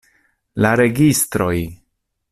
La registroj!